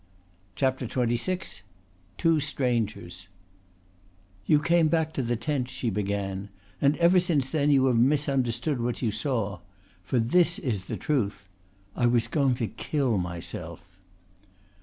CHAPTER XXVI TWO STRANGERS "You came back to the tent," she began, "and ever since then you have misunderstood what you saw. For this is the truth: I was going to kill myself."